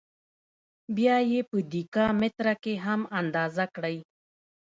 بیا یې په دېکا متره کې هم اندازه کړئ.